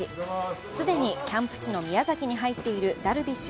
既にキャンプ地の宮崎に入っているダルビッシュ